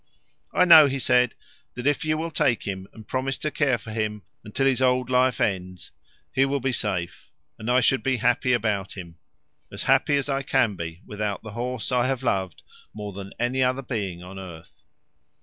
I know, he said, that if you will take him and promise to care for him until his old life ends, he will be safe; and I should be happy about him as happy as I can be without the horse I have loved more than any other being on earth.